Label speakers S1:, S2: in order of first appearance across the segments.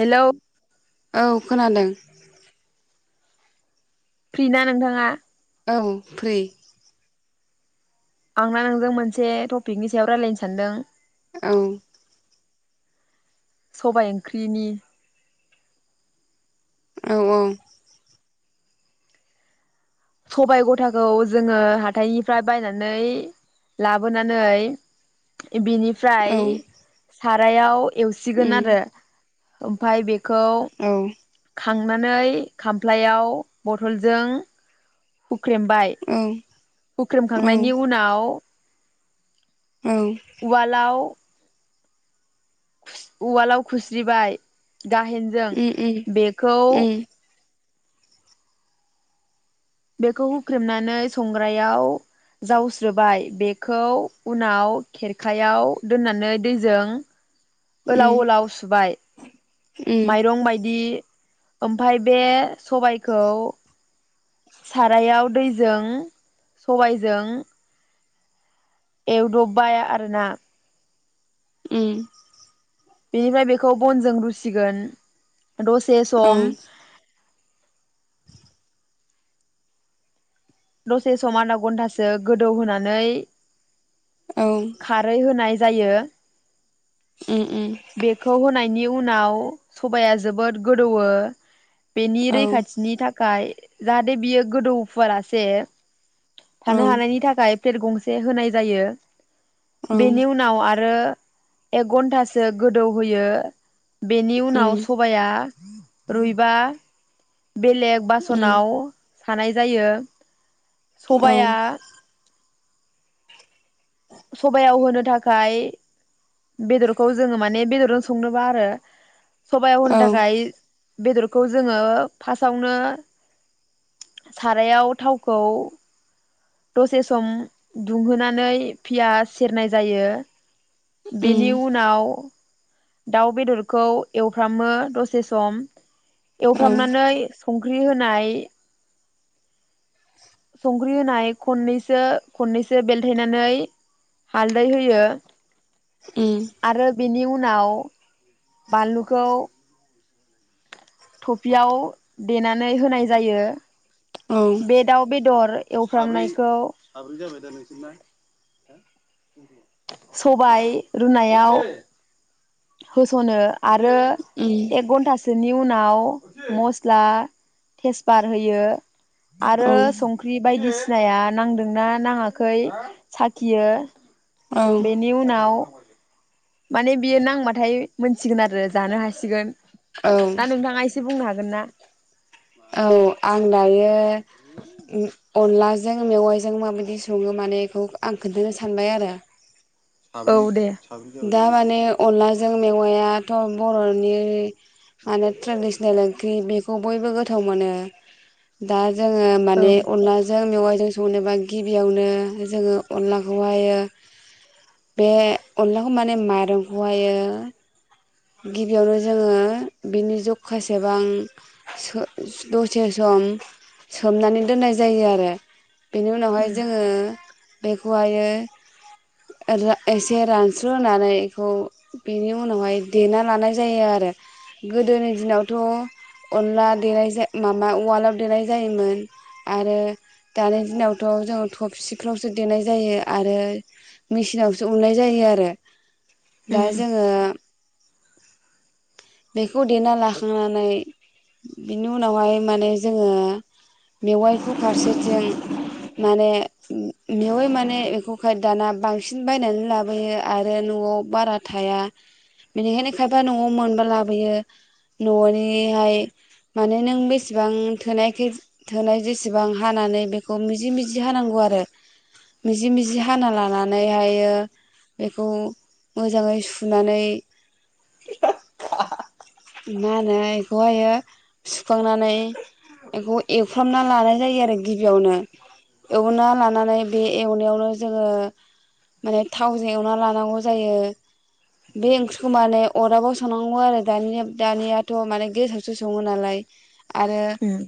S1: Hello.
S2: औ खोनादों।
S1: Free ना नोंथाङा?
S2: औ फ्रि।
S1: आंना नोंजों मोनसे टपिकनि सायाव रायजलायनो सानदों।
S2: औ।
S1: सबाइ ओंख्रिनि
S2: औ औ।
S1: सबाय गथाखौ जोङो हाथायनिफ्राय बायनानै लाबोनानै बेनिफ्राय
S2: औ
S1: सारायाव एवसिगोन
S2: उम
S1: आरो ओमफाय बे खौ
S2: औ
S1: खांनानै खामफ्लायाव बथलजों फुख्रेमबाय।
S2: औ
S1: हुख्रेमखांनायनि उनाव
S2: औ उम
S1: उवालाउ उवालाव खुस्रिबाय गाहेनजों बेखौ बेखौ हुख्रेमनानै संग्रायाव जावस्रोबाय बेखौ उनाव खेरखायाव दोननानै दैजों ओलाव ओलाव सुबाय माइरं बायदि ओमफाय बे सबायखौ सारायाव दैजों सबायजों एवदबबाय आरोना।
S2: उम।
S1: बेनिफ्राय बेखौ बनजों रुसिगोन दसे सम दसे सम आदा घन्टासो गोदौहोनानै खारै होनाय जायो। बेखौ होनायनि उनाव सबाइया जोबोद गोदौवो। बेनि रैखाथिनि थाखाय जाहाथे बियो गोदौफोआरासे थानो हानायनि थाखाय प्लेट गंसे होनाय जायो
S2: उम
S1: बेनि उनाव आरो एक घन्टासो गोदौहोयो बेनि उनाव सबाइया रुइबा बेलेग
S2: उम उम
S1: बासनाव सानाय जायो
S2: औ
S1: सबाइया सबायाव होनो थाखाय बेदरखौ जोङो माने बेदरजों संनोबा आरो सबायाव
S2: औ
S1: होनो थाखाय बेदरखौ जोङो फासावनो सारायाव थावखौ दसे सम दुंहोनानै पियास सेरनाय जायो।
S2: उम
S1: बेनि
S2: उम
S1: उनाव। दाउ बेदरखौ एवफ्रामो दसे सम।
S2: औ
S1: एवफ्रामनानै संख्रि होनाय संख्रि होनाय खननैसो खननैसो बेलथायनानै हालदै होयो
S2: औ
S1: आरो बेनि उनाव बानलुखौ थफियाव देनानै होनाय जायो।
S2: औ उम औ उम औ उम औ उम
S1: बे दाउ बेदर एवफ्रामनायखौ [inaudible] सबाय रुनायाव होस'नो आरो एक घन्टासोनि उनाव नाव मस्ला तेजपात होयो आरो संख्रि बायदिसिना बायदिसिनाया नांदोंना नाङाखै साखियो
S2: औ
S1: बेनि उनाव माने बियो नांबाथाय मोनसिगोन आरो जानो हासिगोन
S2: औ
S1: दा नोंथाङा एसे बुंनो हागोन हागोनना?
S2: औ आं दायो उ अनलाजों मेवाइजों माबायदि सङो माने बेखौ आं खोन्थानो सानबाय आरो
S1: औ दे
S2: दा माने अनलाजों मेवायाथ' बर'नि माने ट्रेडिसनेल ओंख्रि बेखौ बयबो गोथाव मोनो दा जोङो
S1: औ
S2: माने अनला जों मेवाइजों संनोबा गिबियावनो जोङो अनलाखौहायो बे अनलाखौ माने माइरंखौहायो गिबियावनो जोङो बिनि जखासेबां सो दसे सम [unintelligible] सोमनानै दोननाय जायो आरो बेनि उनावहाय
S1: उम
S2: जोङो बेखौ हायो एसे रानस्रो होनानै बेखौ बेनि उनावहाय देना लानाय जायो आरो गोदोनि दिनावथ' अनला देनाय माबा उवालाव देरनाय जायोमोन आरो दानि दिनावथ' जोंङो थफसिफ्रावसो देनाय जायो आरो मेचिनाव सौवनाय जायो आरो दा
S1: उम
S2: जोङो [inaudible] बेखौ देना लाखांनानै बिनि उनावहाय माने जोङो मेवाइखौ फारसेथिं माने मेवा माने बेखौहाय दाना बांसिन बायनानै लाबोयो आरो न'आव बारा थाया बेनिखायनो खायफा न'आव मोनबा लाबोयो न'निहाय माने नों बेसेबां थोनायखाय थोनाय जेसेबां हानानै बेखौ मिजि मिजि हानांगौ [unintelligible] मिजि मिजि हाना लानानै हायो एखौ मोजाङै सुनानै [inaudible] मा होनो बेखौहायो सुखांनानै बेखौ एफ्रामना लानाय जायो आरो गिबियावनो। एवना लानानै बे एवनायावनो जोङो माने थावजों एवना लानांगौ जायो बे ओंख्रि खौ माने अदाबाव संनांगौ आरो दानिया दानियाथ' माने गेसावआवसो सङो नालाय आरो
S1: उम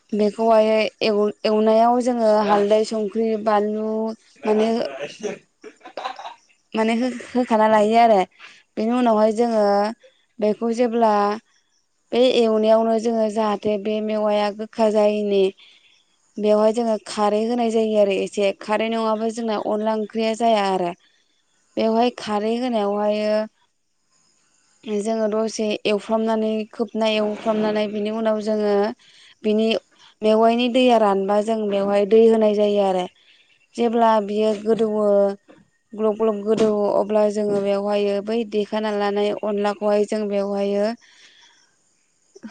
S2: [inaudible] बेखौहाय एवनायाव जोङो हालदै संख्रि बानलु माने [inaudible] माने होखाना लायो आरो बेनि उनावहाय जोङो बेखौ जेब्ला बे एवनायावनो जोङो जाहाथे बे मेवाया गोखा जायैनि बेवहाय जोङो खारै होनाय जायो आरो एसे खारै नङाबा जोंना अनला ओंख्रिया जाया आरो बेवहाय खारै होनायावहाय जोङो दसे एवफ्रामनानै खोबनाय एवफ्रामनानै बिनि उनाव जोङो बिनि मेवाइनि दैया रानबा जों बेवहाय दै होनाय जायो आरो। जेब्ला बियो गोदौवो ग्लब ग्लब गोदौवो अब्ला जोङो बेयाव हायो बै देखानालानाय अनलाखौहाय जों बेवहाय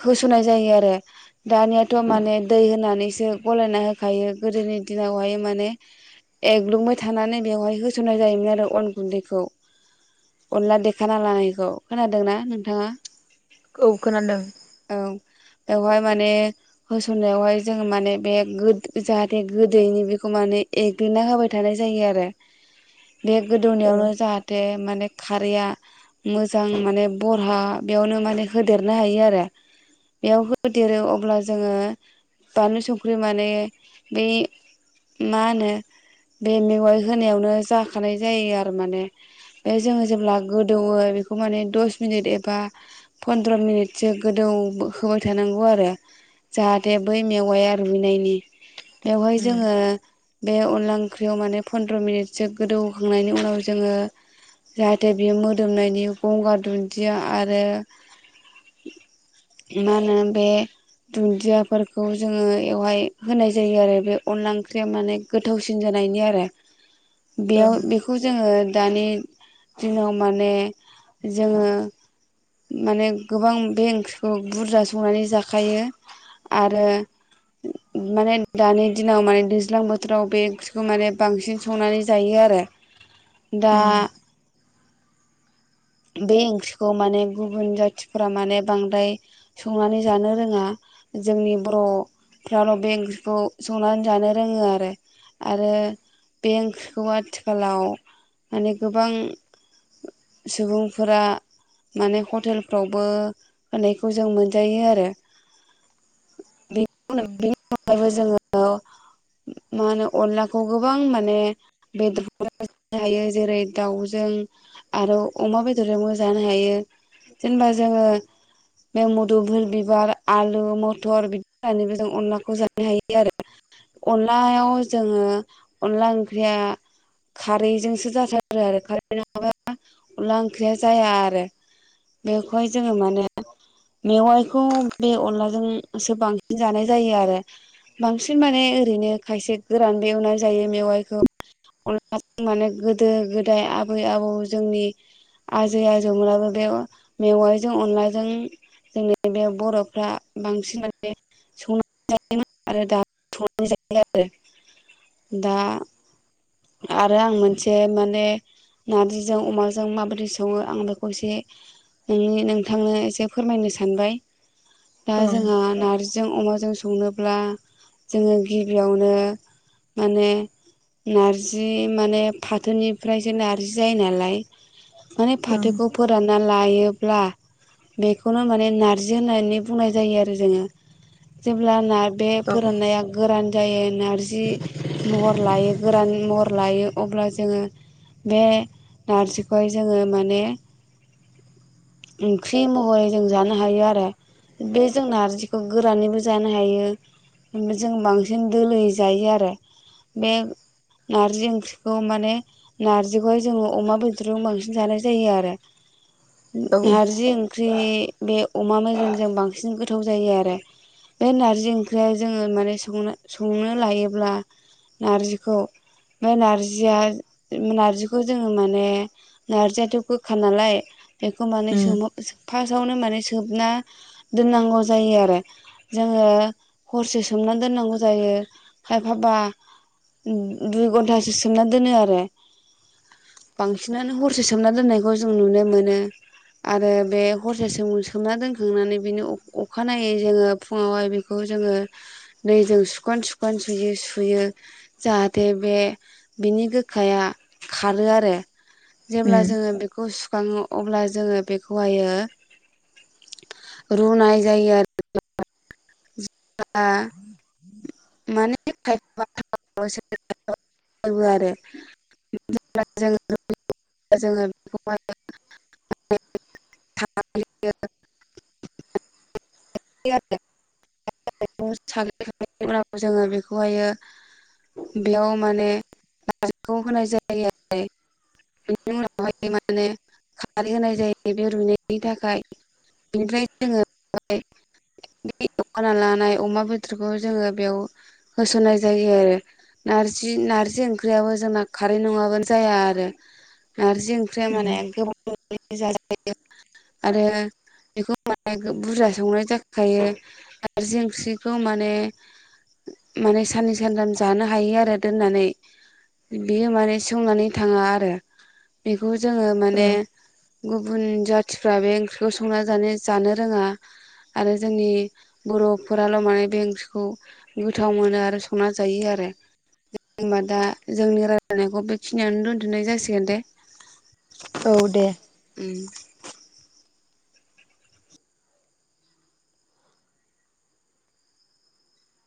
S2: होस'नाय जायो आरो दानियाथ' माने दै होनानैसो गलायना होखायो गोदोनि दिनावहाय माने एग्लुंबाय थानानै बेवहाय होसननाय जायोमोन आरो अन गुन्दैखौ अनला देखाना लानायैखौ खोनादोंना नोंथाङा?
S1: औ खोनादों
S2: औ बेवहाय माने होसन्नायावहाय जों माने बे जाहाथे गोदैनि बेखौ माने एग्लिना होबाय थानाय जायो आरो बे
S1: औ
S2: गोदौनायावनो जाहाथे माने खारैया मोजां माने बरहा बेयावनो माने होदेरनो हायो आरो। बेयाव हो देरो अब्ला जोङो बानलु संख्रि माने बै मा होनो बे मेगाइ होनायावनो जाखानाय जायो आरो माने बे जों जेब्ला गोदौवो बेखौ माने दस मिनिट एबा फन्द्र मिनिटसो गोदौ होबाय थानांगौ आरो जाहाथे बै मेवाया रुइनायनि। बेवहाय
S1: उम
S2: जोङो बे अनला ओंख्रियाव माने फन्द्र मिनिटसो गोदौखांनायनि उनाव जोङो जाहाथे बेयो मोदोमनायनि गंगार दुन्दिया आरो मा होनो बे दुन्दियाफोरखौ जोङो बेवहाय होनाय जायो आरो बे अनला ओंख्रिया माने गोथावसिन जानाय नि आरो बेयाव
S1: ओं
S2: बेखौ जोङो दानि दिनाव माने जोङो माने गोबां बे ओंख्रिखौ बुरजा संनानै जाखायो आरो माने दानि दिनाव माने दैज्लां बोथोराव बे ओंख्रिखौ माने बांसिन संनानै जायो आरो। दा
S1: उम
S2: बे ओंख्रिखौ माने गुबुन जाथिफोरा माने बांद्राय संनानै जानो रोङा जोंनि बर'फ्राल' बे ओंख्रिखौ संनानै जानो रोङो आरो। आरो बे ओंख्रिखौ आथिखालाव माने गोबां सुबुंफोरा माने हटेलफ्रावबो होनायखौ जों मोनजायो आरो। बेनि
S1: ओं
S2: [unintelligible] जोङो मा होनो अनलाखौ गोबां माने बेदर हायो जेरै दाउजों आरो अमा बेदरजोंबो जानो हायो जेनेबा जोङो बे मोदुमफोर बिबार आलु मथर बिदि होननानैबो जों अनलाखौ जानो हायो आरो अनलायाव जोङो अनला ओंख्रिया खारैजोंसो जाथारो आरो खारै नङाबा अनला ओंख्रिया जाया आरो बेखौहाय जोङो माने मेवाइखौ बे अनलाजोंसो बांसिन जानाय जायो आरो बांसिन माने ओरैनो खायसे गोरान एवनाय जायो मेवाइखौ अनलाजों माने गोदो गोदाय आबै आबौ जोंनि आजै आजौमोनाबो बे मेवाइजों अनलाजों जोंनि बे बर'फ्रा बांसिन माने संनानै [unintelligible] आरो दा [unintelligible] दा आरो आं मोनसे माने नारजि जों अमाजों माबायदि सङो आं बेखौ एसे नोंनि नोंथांनो एसे फोरमायनो सानबाय। दा
S1: ओं
S2: जोंहा नार्जिजों अमाज जों संनोब्ला जोङो गिबियावनो माने नारजि माने फाथोनिफ्रायसो नारजि जायोना लाय माने
S1: ओं
S2: फाथोखौ फोरानना लायो ब्ला बेखौनो माने नारजि होननानै बुंनाय जायो आरो जोङो जेब्लाना बे
S1: औ
S2: फोराननाया गोरान जायो नारजि महर लायो गोरान महर लायो अब्ला जोङो बे नारजि खौहाय जोङो माने ओंख्रि महरै जों जानो हायो आरो बे जों नारजिखौ गोरानैबो जानो हायो ओम जों बांसिन दोलो जायो आरो बे नारजि ओंख्रिखौ माने नारजिखौहाय जोङो अमा बेदरजों बांसिन जानाय जायो आरो
S1: औ
S2: नारजि ओंख्रि बे अमा मेजोमजों बांसिन गोथाव जायो आरो बे नारजि ओंख्रिया जोङो माने सं-संनो लायोब्ला नारजिखौ ओमफ्राय नारजिया नारजिखौ जोङो माने नारजियाथ' गोखा नालाय बेखौ माने
S1: उम
S2: सोम फासावनो माने खोबना दोननांगौ जायो आरो जोङो हरसे सोमना दोननांगौ जायो खायफाबा दुइ घन्टासो सोमना दोनो आरो बांसिनानो हरसे सोमना दोननायखौ जों नुनो मोनो आरो बे हरसे सोम सोमना दोनखांनानै बिनि अखानायै जोङो फुङावहाय बेखौ जोङो दैजों सुखन सुखन सुयो सुयो जाहाथे बे बिनि नि गोखाया खारो आरो जेब्ला
S1: उम
S2: जोङो बेखौ सुखाङो अब्ला जोङो बेखौहायो रुनाय जायो आरो माने [unintelligible] जो जोङो बेखौह [unintelligible] [unintelligible] [unintelligible] बे उनाव जोङो बेखौहायो बेयाव माने नारजिखौ होनाय जायो आरो [unintelligible] बेनि उनावहाय माने खारै होनाय जायो बे रुनायनि थाखाय बेनिफ्राय जोङो बेगा लानाय अमा बेदरखौ [unintelligible] जोङो बेयाव होस'नाय जायो आरो नारजि नारजि ओंख्रियाबो जोंना खारै नङाबानो जाया आरो नारजि ओंख्रिया माने
S1: उम
S2: गोबाव जाजायो आरो बेखौ माने बुरजा संनाय जाखायो नारजि ओंख्रिखौ माने माने साननै सानथाम जानो हायो आरो दोननानै बियो माने सेवनानै थाङा आरो बेखौ जोङो माने
S1: ओ
S2: गुबुन जाथिफ्रा बे ओंख्रिखौ संना जानो जानो रोङा आरो जोंनि बर'फोराल' माने बे ओंख्रि खौ गोथाव मोनो आरो संना जायो आरो जेनबा दा जोंनि रायलायनायखौ बेखिनियावनो दोनथ'नाय जासिगोन दे
S1: औ दे
S2: उम